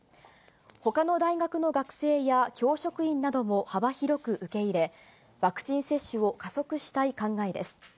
ほかの大学の学生や、教職員なども幅広く受け入れ、ワクチン接種を加速したい考えです。